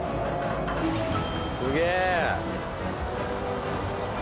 すげえ！